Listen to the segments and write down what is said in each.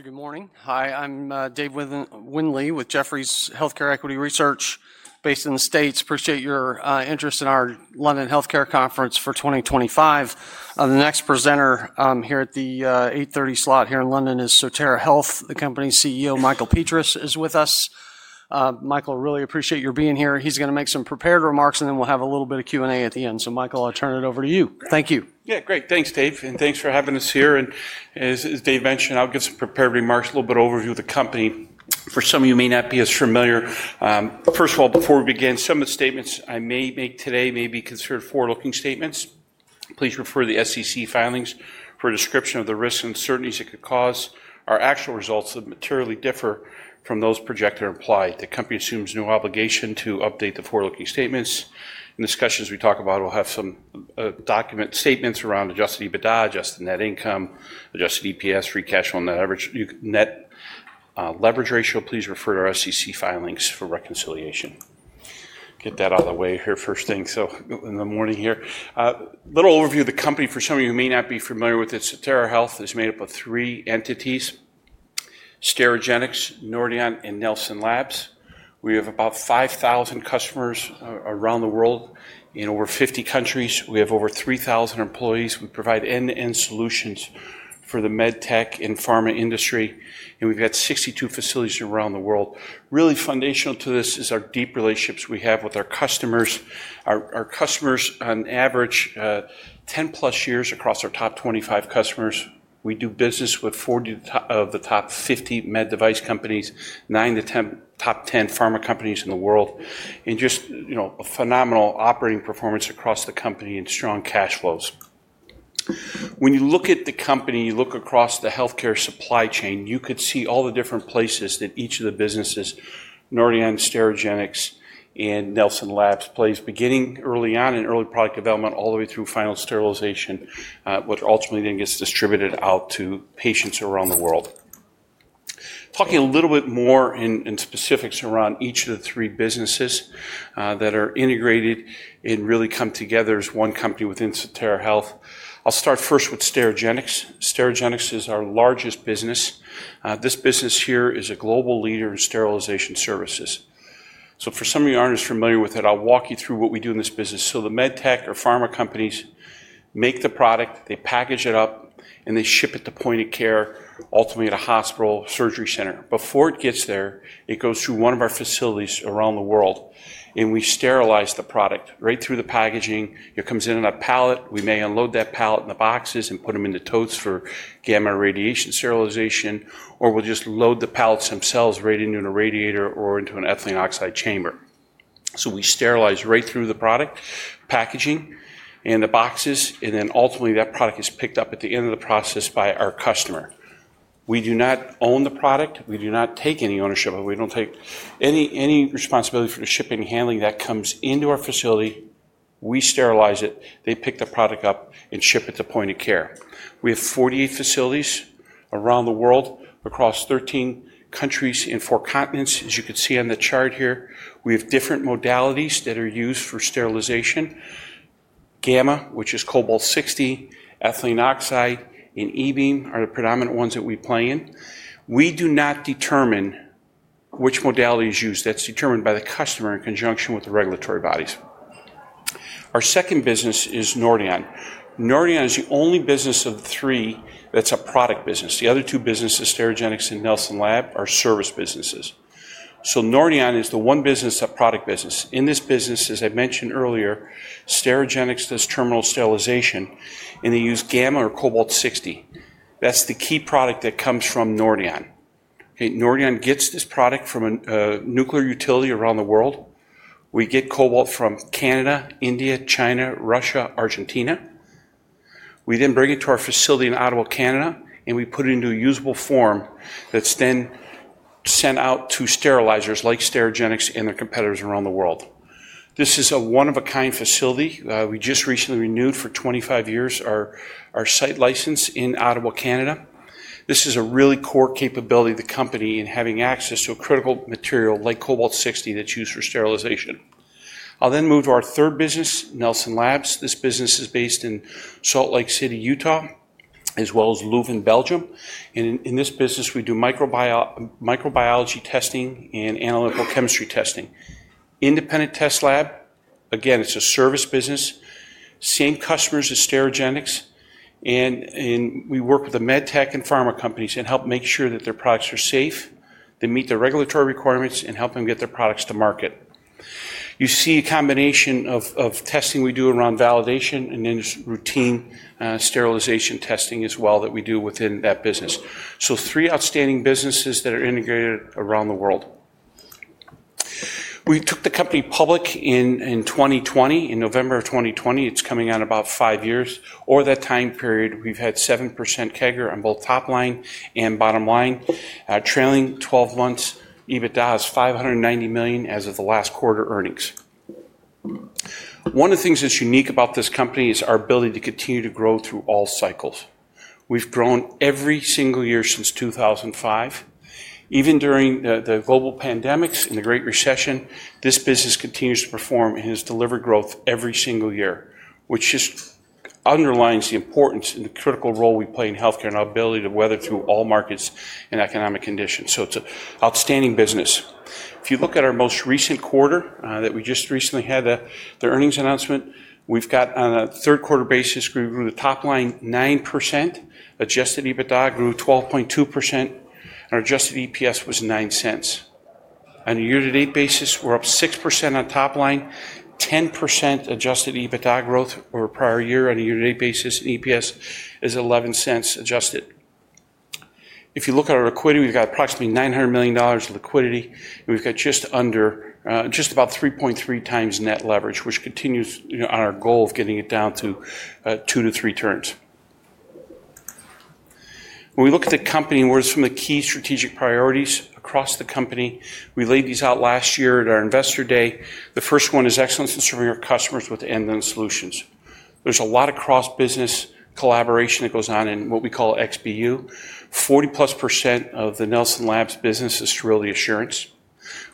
Good morning. Hi, I'm Dave Windley with Jefferies Healthcare Equity Research, based in the States. Appreciate your interest in our London Healthcare Conference for 2025. The next presenter here at the 8:30 slot here in London is Sotera Health CEO Michael Petras is with us. Michael, really appreciate your being here. He's going to make some prepared remarks, and then we'll have a little bit of Q&A at the end. Michael, I'll turn it over to you. Thank you. Yeah, great. Thanks, Dave, and thanks for having us here. As Dave mentioned, I'll give some prepared remarks, a little bit of overview of the company. For some of you who may not be as familiar, first of all, before we begin, some of the statements I may make today may be considered forward-looking statements. Please refer to the SEC filings for a description of the risks and uncertainties it could cause. Our actual results would materially differ from those projected or implied. The company assumes no obligation to update the forward-looking statements. In discussions, we talk about we'll have some document statements around adjusted EBITDA, adjusted net income, adjusted EPS, free cash flow on that average net leverage ratio. Please refer to our SEC filings for reconciliation. Get that out of the way here first thing. In the morning here, a little overview of the company. For some of you who may not be familiar with it, Sotera Health is made up of three entities: Sterigenics, Nordion, and Nelson Labs. We have about 5,000 customers around the world in over 50 countries. We have over 3,000 employees. We provide end-to-end solutions for the med tech and pharma industry, and we've got 62 facilities around the world. Really foundational to this is our deep relationships we have with our customers. Our customers, on average, 10-plus years across our top 25 customers. We do business with 40 of the top 50 med device companies, nine of the top 10 pharma companies in the world, and just, you know, a phenomenal operating performance across the company and strong cash flows. When you look at the company, you look across the healthcare supply chain, you could see all the different places that each of the businesses, Nordion, Sterigenics, and Nelson Labs, plays beginning early on in early product development all the way through final sterilization, which ultimately then gets distributed out to patients around the world. Talking a little bit more in specifics around each of the three businesses that are integrated and really come together as one company within Sotera Health, I'll start first with Sterigenics. Sterigenics is our largest business. This business here is a global leader in sterilization services. For some of you who aren't as familiar with it, I'll walk you through what we do in this business. The medtech or pharma companies make the product, they package it up, and they ship it to point of care, ultimately to hospital, surgery center. Before it gets there, it goes through one of our facilities around the world, and we sterilize the product right through the packaging. It comes in on a pallet. We may unload that pallet in the boxes and put them into totes for gamma radiation sterilization, or we'll just load the pallets themselves right into a radiator or into an ethylene oxide chamber. We sterilize right through the product packaging and the boxes, and then ultimately that product is picked up at the end of the process by our customer. We do not own the product. We do not take any ownership of it. We don't take any responsibility for the shipping and handling. That comes into our facility. We sterilize it. They pick the product up and ship it to point of care. We have 48 facilities around the world, across 13 countries and four continents, as you can see on the chart here. We have different modalities that are used for sterilization: gamma, which is cobalt-60, ethylene oxide, and E-beam are the predominant ones that we play in. We do not determine which modality is used. That is determined by the customer in conjunction with the regulatory bodies. Our second business is Nordion. Nordion is the only business of the three that is a product business. The other two businesses, Sterigenics and Nelson Labs, are service businesses. Nordion is the one business, a product business. In this business, as I mentioned earlier, Sterigenics does terminal sterilization, and they use gamma or cobalt-60. That is the key product that comes from Nordion. Nordion gets this product from a nuclear utility around the world. We get cobalt from Canada, India, China, Russia, Argentina. We then bring it to our facility in Ottawa, Canada, and we put it into a usable form that's then sent out to sterilizers like Sterigenics and their competitors around the world. This is a one-of-a-kind facility. We just recently renewed for 25 years our site license in Ottawa, Canada. This is a really core capability of the company in having access to a critical material like cobalt-60 that's used for sterilization. I'll then move to our third business, Nelson Labs. This business is based in Salt Lake City, Utah, as well as Leuven, Belgium. In this business, we do microbiology testing and analytical chemistry testing. Independent test lab. Again, it's a service business. Same customers as Sterigenics. We work with the medtech and pharma companies and help make sure that their products are safe, they meet the regulatory requirements, and help them get their products to market. You see a combination of testing we do around validation and then routine sterilization testing as well that we do within that business. Three outstanding businesses are integrated around the world. We took the company public in 2020, in November of 2020. It is coming out in about five years. Over that time period, we have had 7% CAGR on both top line and bottom line, trailing 12 months. EBITDA is $590 million as of the last quarter earnings. One of the things that is unique about this company is our ability to continue to grow through all cycles. We have grown every single year since 2005. Even during the global pandemics and the Great Recession, this business continues to perform and has delivered growth every single year, which just underlines the importance and the critical role we play in healthcare and our ability to weather through all markets and economic conditions. It's an outstanding business. If you look at our most recent quarter that we just recently had, the earnings announcement, we've got on a third-quarter basis, we grew the top line 9%, adjusted EBITDA grew 12.2%, and our adjusted EPS was $0.09. On a year-to-date basis, we're up 6% on top line, 10% adjusted EBITDA growth over a prior year. On a year-to-date basis, EPS is $0.11 adjusted. If you look at our liquidity, we've got approximately $900 million in liquidity, and we've got just under just about 3.3 times net leverage, which continues on our goal of getting it down to two to three turns. When we look at the company and where some of the key strategic priorities across the company, we laid these out last year at our Investor Day. The first one is excellence in serving our customers with end-to-end solutions. There's a lot of cross-business collaboration that goes on in what we call XBU. 40%+ of the Nelson Labs business is sterility assurance.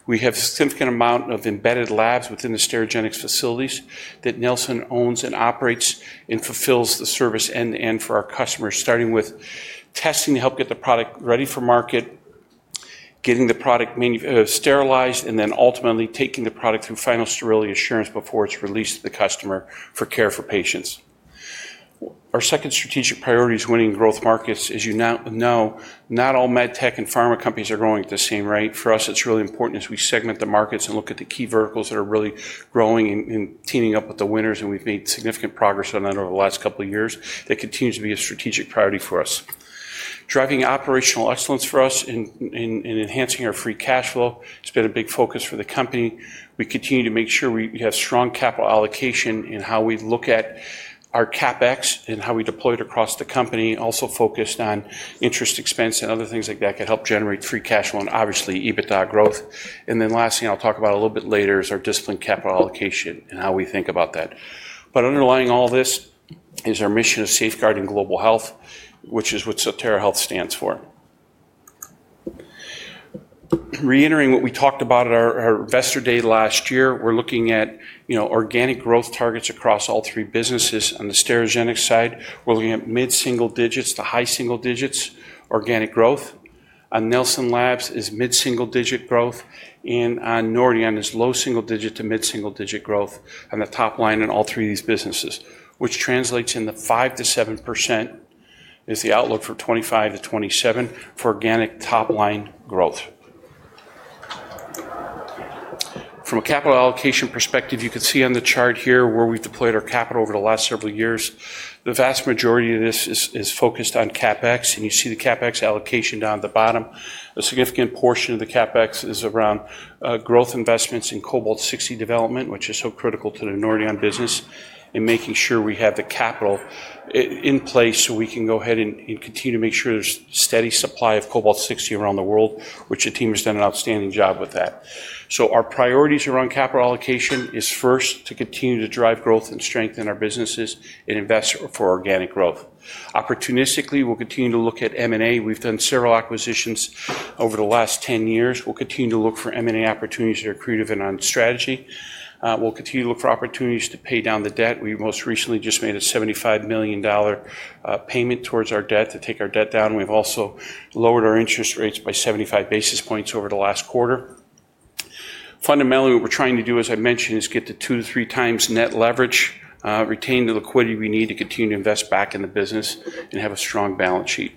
We have a significant amount of embedded labs within the Sterigenics facilities that Nelson owns and operates and fulfills the service end-to-end for our customers, starting with testing to help get the product ready for market, getting the product sterilized, and then ultimately taking the product through final sterility assurance before it's released to the customer for care for patients. Our second strategic priority is winning growth markets. As you now know, not all medtech and pharma companies are growing at the same rate. For us, it's really important as we segment the markets and look at the key verticals that are really growing and teaming up with the winners, and we've made significant progress on that over the last couple of years. That continues to be a strategic priority for us. Driving operational excellence for us and enhancing our free cash flow has been a big focus for the company. We continue to make sure we have strong capital allocation in how we look at our CapEx and how we deploy it across the company, also focused on interest expense and other things like that can help generate free cash flow and obviously EBITDA growth. Lastly, I'll talk about a little bit later is our discipline capital allocation and how we think about that. Underlying all this is our mission of safeguarding global health, which is what Sotera Health stands for. Reiterating what we talked about at our Investor Day last year, we're looking at, you know, organic growth targets across all three businesses. On the Sterigenics side, we're looking at mid-single digits to high single digits organic growth. On Nelson Labs is mid-single digit growth, and on Nordion is low single digit to mid-single digit growth on the top line in all three of these businesses, which translates in the 5-7% is the outlook for 2025 to 2027 for organic top line growth. From a capital allocation perspective, you can see on the chart here where we've deployed our capital over the last several years. The vast majority of this is focused on CapEx, and you see the CapEx allocation down at the bottom. A significant portion of the CapEx is around growth investments in cobalt-60 development, which is so critical to the Nordion business and making sure we have the capital in place so we can go ahead and continue to make sure there's a steady supply of cobalt-60 around the world, which the team has done an outstanding job with that. Our priorities around capital allocation is first to continue to drive growth and strengthen our businesses and invest for organic growth. Opportunistically, we'll continue to look at M&A. We've done several acquisitions over the last 10 years. We'll continue to look for M&A opportunities that are creative and on strategy. We'll continue to look for opportunities to pay down the debt. We most recently just made a $75 million payment towards our debt to take our debt down. We've also lowered our interest rates by 75 basis points over the last quarter. Fundamentally, what we're trying to do, as I mentioned, is get to two to three times net leverage, retain the liquidity we need to continue to invest back in the business, and have a strong balance sheet.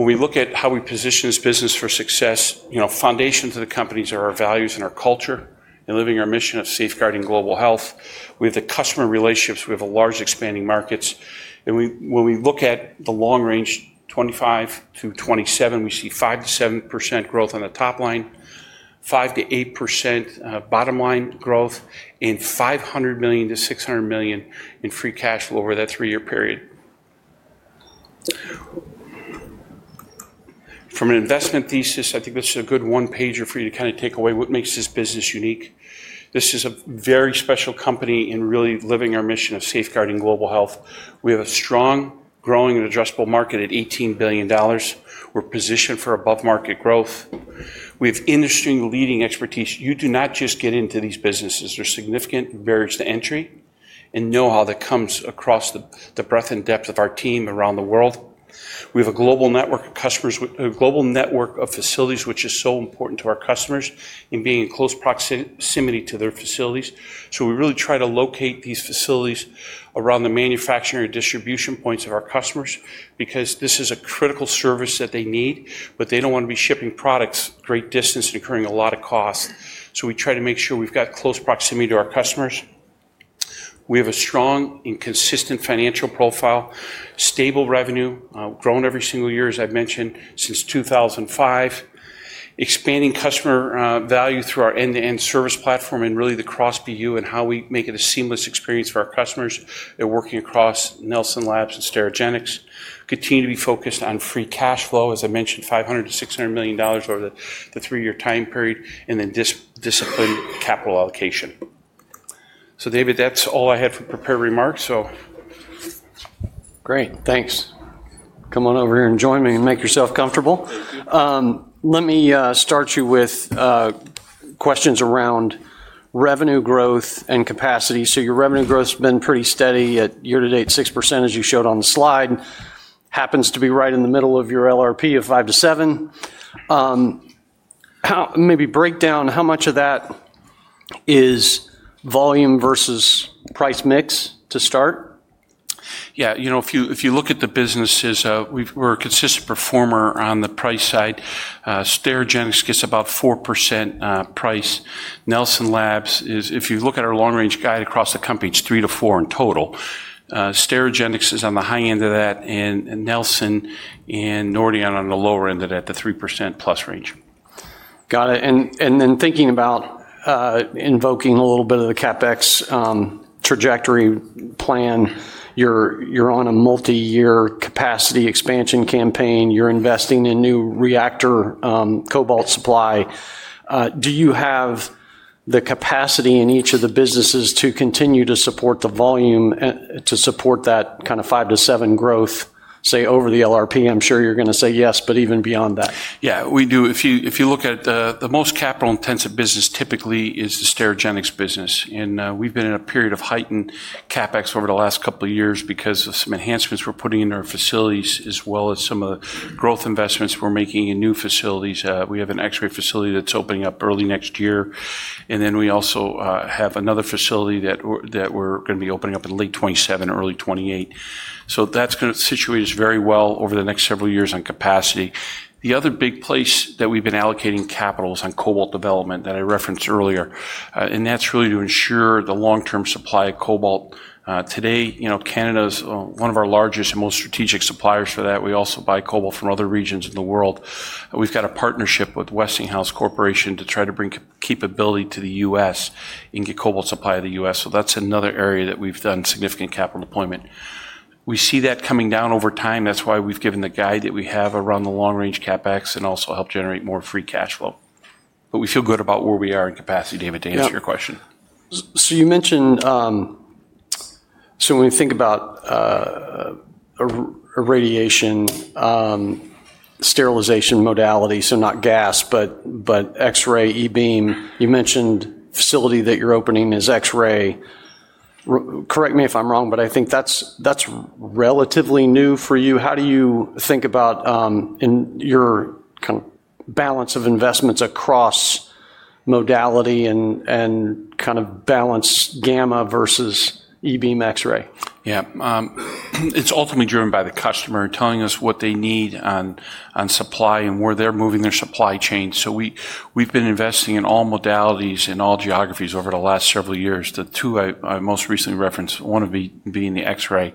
When we look at how we position this business for success, you know, foundations of the companies are our values and our culture and living our mission of safeguarding global health. We have the customer relationships. We have large expanding markets. When we look at the long range, 2025 to 2027, we see 5%-7% growth on the top line, 5%-8% bottom line growth, and $500 million-$600 million in free cash flow over that three-year period. From an investment thesis, I think this is a good one-pager for you to kind of take away what makes this business unique. This is a very special company in really living our mission of safeguarding global health. We have a strong, growing, and addressable market at $18 billion. We're positioned for above-market growth. We have industry-leading expertise. You do not just get into these businesses. There's significant barriers to entry and know-how that comes across the breadth and depth of our team around the world. We have a global network of customers, a global network of facilities, which is so important to our customers in being in close proximity to their facilities. We really try to locate these facilities around the manufacturing or distribution points of our customers because this is a critical service that they need, but they don't want to be shipping products great distance and incurring a lot of cost. We try to make sure we've got close proximity to our customers. We have a strong and consistent financial profile, stable revenue, grown every single year, as I mentioned, since 2005, expanding customer value through our end-to-end service platform and really the cross BU and how we make it a seamless experience for our customers that are working across Nelson Labs and Sterigenics. Continue to be focused on free cash flow, as I mentioned, $500 million-$600 million over the three-year time period, and then discipline capital allocation. Dave, that's all I had for prepared remarks. Great. Thanks. Come on over here and join me and make yourself comfortable. Thank you. Let me start you with questions around revenue growth and capacity. Your revenue growth has been pretty steady at year-to-date 6%, as you showed on the slide. It happens to be right in the middle of your LRP of 5-7%. Maybe break down how much of that is volume versus price mix to start. Yeah. You know, if you look at the businesses, we're a consistent performer on the price side. Sterigenics gets about 4% price. Nelson Labs is, if you look at our long-range guide across the company, it's 3%-4% in total. Sterigenics is on the high end of that, and Nelson and Nordion on the lower end of that, the 3% plus range. Got it. Thinking about invoking a little bit of the CapEx trajectory plan, you're on a multi-year capacity expansion campaign. You're investing in new reactor cobalt supply. Do you have the capacity in each of the businesses to continue to support the volume, to support that kind of 5-7% growth, say, over the LRP? I'm sure you're going to say yes, but even beyond that. Yeah, we do. If you look at the most capital-intensive business, typically is the Sterigenics business. We've been in a period of heightened CapEx over the last couple of years because of some enhancements we're putting in our facilities, as well as some of the growth investments we're making in new facilities. We have an X-ray facility that's opening up early next year. We also have another facility that we're going to be opening up in late 2027, early 2028. That's going to situate us very well over the next several years on capacity. The other big place that we've been allocating capital is on cobalt development that I referenced earlier. That's really to ensure the long-term supply of cobalt. Today, you know, Canada is one of our largest and most strategic suppliers for that. We also buy cobalt from other regions of the world. We've got a partnership with Westinghouse Corporation to try to bring capability to the U.S. and get cobalt supply to the U.S. That's another area that we've done significant capital deployment. We see that coming down over time. That is why we've given the guide that we have around the long-range CapEx and also help generate more free cash flow. We feel good about where we are in capacity, Dave, to answer your question. You mentioned, so when we think about irradiation sterilization modality, so not gas, but X-ray, E-beam, you mentioned facility that you're opening is X-ray. Correct me if I'm wrong, but I think that's relatively new for you. How do you think about your kind of balance of investments across modality and kind of balance gamma versus E-beam, X-ray? Yeah. It's ultimately driven by the customer telling us what they need on supply and where they're moving their supply chain. We've been investing in all modalities in all geographies over the last several years. The two I most recently referenced, one of being the X-ray.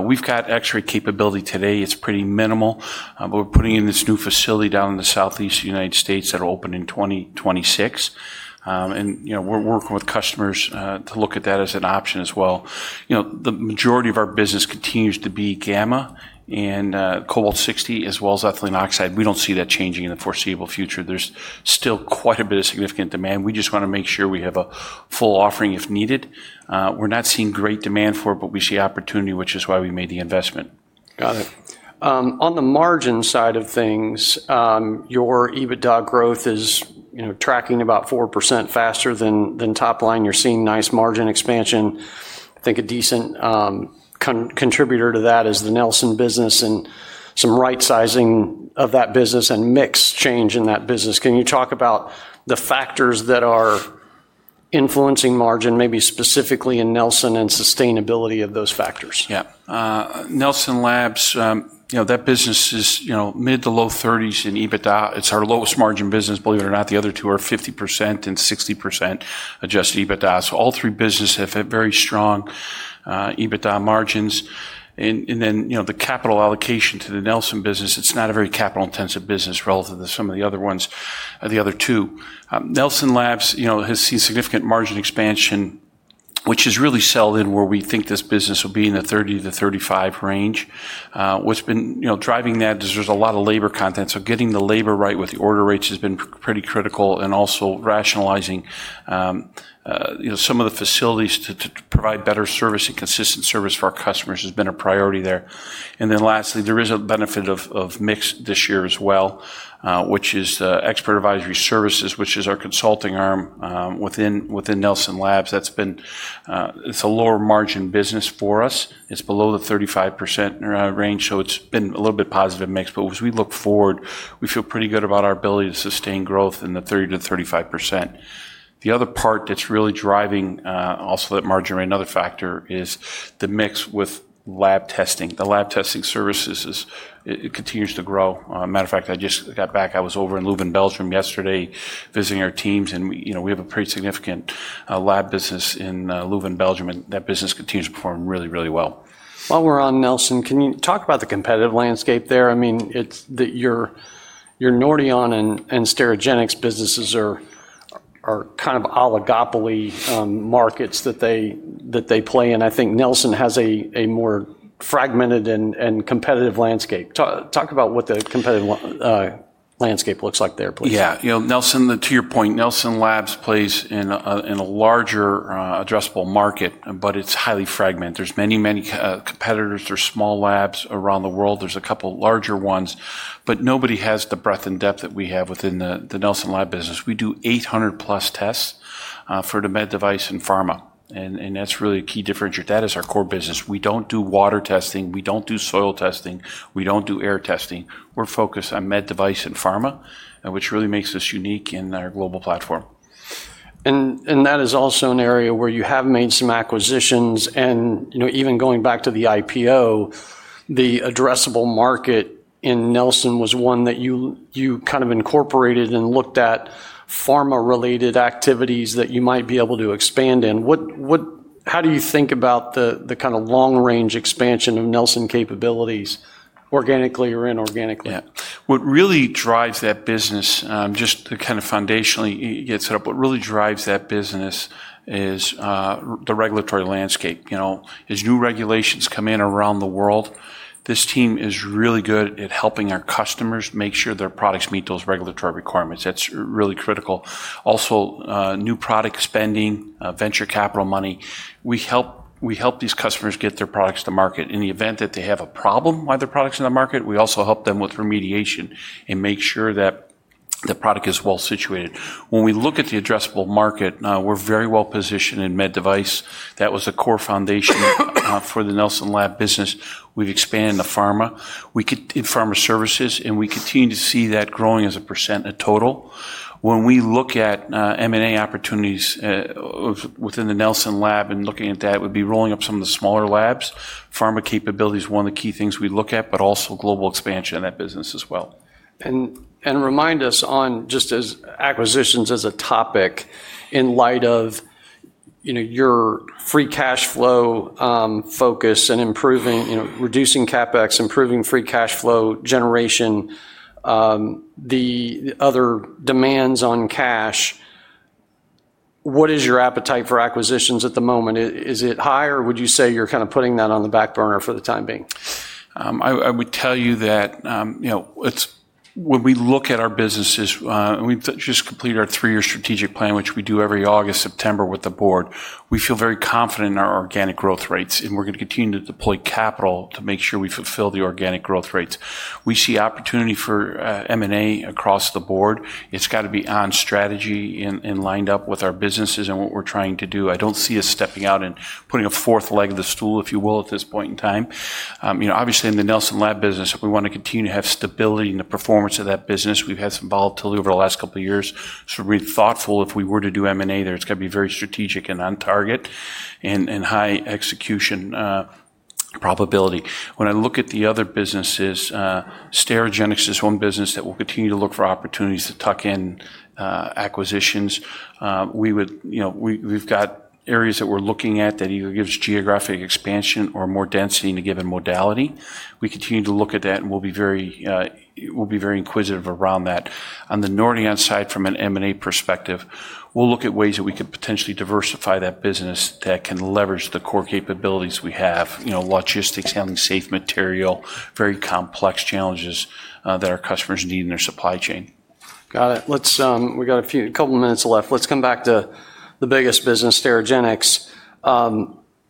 We've got X-ray capability today. It's pretty minimal, but we're putting in this new facility down in the southeast of the United States that'll open in 2026. You know, we're working with customers to look at that as an option as well. You know, the majority of our business continues to be gamma and cobalt-60, as well as ethylene oxide. We don't see that changing in the foreseeable future. There's still quite a bit of significant demand. We just want to make sure we have a full offering if needed. We're not seeing great demand for it, but we see opportunity, which is why we made the investment. Got it. On the margin side of things, your EBITDA growth is, you know, tracking about 4% faster than top line. You're seeing nice margin expansion. I think a decent contributor to that is the Nelson business and some right-sizing of that business and mix change in that business. Can you talk about the factors that are influencing margin, maybe specifically in Nelson and sustainability of those factors? Yeah. Nelson Labs, you know, that business is, you know, mid to low 30s in EBITDA. It's our lowest margin business, believe it or not. The other two are 50% and 60% adjusted EBITDA. All three businesses have very strong EBITDA margins. You know, the capital allocation to the Nelson business, it's not a very capital-intensive business relative to some of the other ones, the other two. Nelson Labs, you know, has seen significant margin expansion, which has really settled in where we think this business will be in the 30-35 range. What's been, you know, driving that is there's a lot of labor content. So, getting the labor right with the order rates has been pretty critical and also rationalizing, you know, some of the facilities to provide better service and consistent service for our customers has been a priority there. Lastly, there is a benefit of mix this year as well, which is Expert Advisory Services, which is our consulting arm within Nelson Labs. That's been, it's a lower margin business for us. It's below the 35% range. It's been a little bit positive mix. As we look forward, we feel pretty good about our ability to sustain growth in the 30-35% range. The other part that's really driving also that margin rate and other factor is the mix with lab testing. The lab testing services, it continues to grow. Matter of fact, I just got back. I was over in Leuven, Belgium yesterday visiting our teams. You know, we have a pretty significant lab business in Leuven, Belgium. That business continues to perform really, really well. While we're on Nelson, can you talk about the competitive landscape there? I mean, it's that your Nordion and Sterigenics businesses are kind of oligopoly markets that they play. And I think Nelson has a more fragmented and competitive landscape. Talk about what the competitive landscape looks like there, please. Yeah. You know, Nelson, to your point, Nelson Labs plays in a larger addressable market, but it's highly fragmented. There's many, many competitors. There's small labs around the world. There's a couple larger ones, but nobody has the breadth and depth that we have within the Nelson Labs business. We do 800 plus tests for the med device and pharma. And that's really a key differentiator. That is our core business. We don't do water testing. We don't do soil testing. We don't do air testing. We're focused on med device and pharma, which really makes us unique in our global platform. That is also an area where you have made some acquisitions. You know, even going back to the IPO, the addressable market in Nelson was one that you kind of incorporated and looked at pharma-related activities that you might be able to expand in. How do you think about the kind of long-range expansion of Nelson capabilities, organically or inorganically? Yeah. What really drives that business, just to kind of foundationally get set up, what really drives that business is the regulatory landscape. You know, as new regulations come in around the world, this team is really good at helping our customers make sure their products meet those regulatory requirements. That's really critical. Also, new product spending, venture capital money. We help these customers get their products to market. In the event that they have a problem with their products in the market, we also help them with remediation and make sure that the product is well situated. When we look at the addressable market, we're very well positioned in med device. That was a core foundation for the Nelson Labs business. We've expanded in the pharma, in pharma services, and we continue to see that growing as a percent of total. When we look at M&A opportunities within the Nelson Labs and looking at that, we'd be rolling up some of the smaller labs. Pharma capability is one of the key things we look at, but also global expansion in that business as well. Remind us on just as acquisitions as a topic in light of, you know, your free cash flow focus and improving, you know, reducing CapEx, improving free cash flow generation, the other demands on cash. What is your appetite for acquisitions at the moment? Is it high, or would you say you're kind of putting that on the back burner for the time being? I would tell you that, you know, when we look at our businesses, we just completed our three-year strategic plan, which we do every August, September with the board. We feel very confident in our organic growth rates, and we're going to continue to deploy capital to make sure we fulfill the organic growth rates. We see opportunity for M&A across the board. It's got to be on strategy and lined up with our businesses and what we're trying to do. I don't see us stepping out and putting a fourth leg of the stool, if you will, at this point in time. You know, obviously in the Nelson Labs business, we want to continue to have stability in the performance of that business. We've had some volatility over the last couple of years. We are being thoughtful. If we were to do M&A there, it's got to be very strategic and on target and high execution probability. When I look at the other businesses, Sterigenics is one business that we'll continue to look for opportunities to tuck in acquisitions. We would, you know, we've got areas that we're looking at that either gives geographic expansion or more density in a given modality. We continue to look at that and we'll be very, we'll be very inquisitive around that. On the Nordion side from an M&A perspective, we'll look at ways that we could potentially diversify that business that can leverage the core capabilities we have, you know, logistics, handling safe material, very complex challenges that our customers need in their supply chain. Got it. Let's, we got a few, a couple of minutes left. Let's come back to the biggest business, Sterigenics.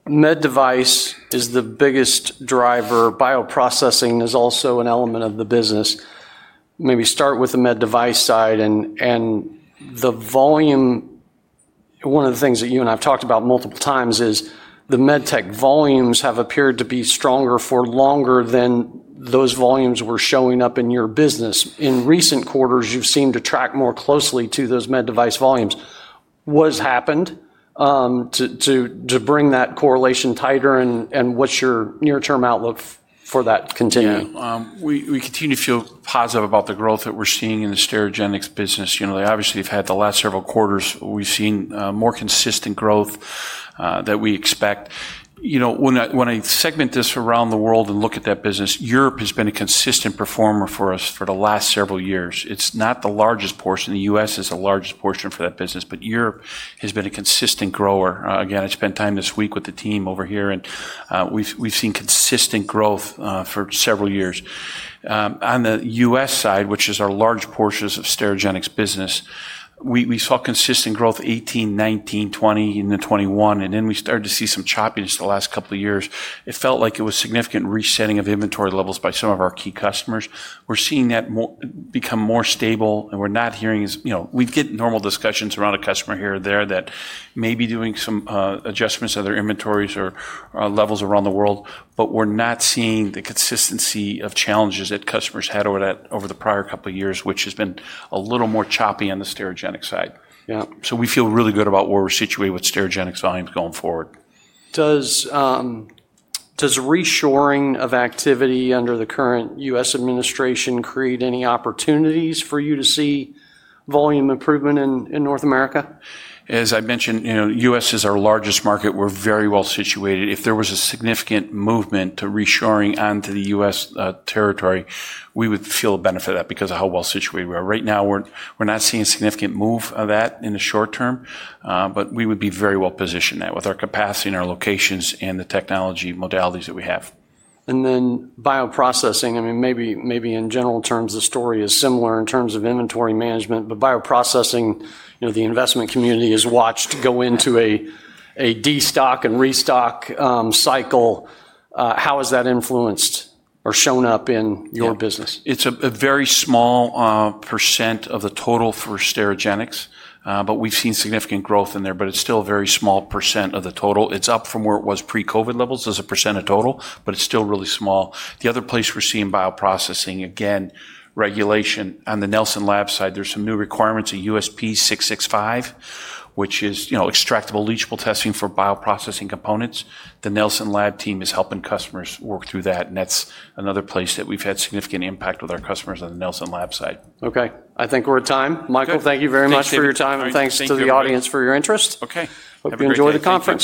Med device is the biggest driver. Bioprocessing is also an element of the business. Maybe start with the med device side. And the volume, one of the things that you and I have talked about multiple times is the med tech volumes have appeared to be stronger for longer than those volumes were showing up in your business. In recent quarters, you've seemed to track more closely to those med device volumes. What has happened to bring that correlation tighter? And what's your near-term outlook for that continuing? Yeah. We continue to feel positive about the growth that we're seeing in the Sterigenics business. You know, they obviously have had the last several quarters, we've seen more consistent growth that we expect. You know, when I segment this around the world and look at that business, Europe has been a consistent performer for us for the last several years. It's not the largest portion. The U.S. is the largest portion for that business, but Europe has been a consistent grower. Again, I spent time this week with the team over here, and we've seen consistent growth for several years. On the U.S. side, which is our large portions of Sterigenics business, we saw consistent growth 2018, 2019, 2020, and then 2021. And then we started to see some choppiness the last couple of years. It felt like it was significant resetting of inventory levels by some of our key customers. We're seeing that become more stable. We're not hearing, you know, we get normal discussions around a customer here or there that may be doing some adjustments of their inventories or levels around the world, but we're not seeing the consistency of challenges that customers had over the prior couple of years, which has been a little more choppy on the Sterigenics side. Yeah. We feel really good about where we're situated with Sterigenics volumes going forward. Does reshoring of activity under the current U.S. administration create any opportunities for you to see volume improvement in North America? As I mentioned, you know, the U.S. is our largest market. We're very well situated. If there was a significant movement to reshoring onto the U.S. territory, we would feel a benefit of that because of how well situated we are. Right now, we're not seeing a significant move of that in the short term, but we would be very well positioned now with our capacity and our locations and the technology modalities that we have. I mean, maybe in general terms, the story is similar in terms of inventory management, but bioprocessing, you know, the investment community has watched go into a de-stock and restock cycle. How has that influenced or shown up in your business? It's a very small % of the total for Sterigenics, but we've seen significant growth in there, but it's still a very small % of the total. It's up from where it was pre-COVID levels as a % of total, but it's still really small. The other place we're seeing bioprocessing, again, regulation on the Nelson Labs side, there's some new requirements in USP 665, which is, you know, extractables and leachable testing for bioprocessing components. The Nelson Labs team is helping customers work through that. That's another place that we've had significant impact with our customers on the Nelson Labs side. Okay. I think we're at time. Michael, thank you very much for your time. Thanks, Dave. Thank you to the audience for your interest. Okay. Hope you enjoy the conference.